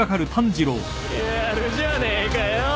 やるじゃねえかよ